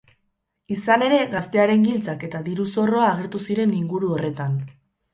Izan ere, gaztearen giltzak eta diru-zorroa agertu ziren inguru horretan.